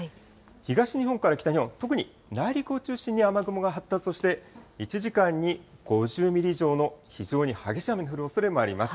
東日本から北日本、特に内陸を中心に雨雲が発達をして、１時間に５０ミリ以上の非常に激しい雨の降るおそれもあります。